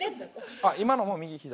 今のも右左？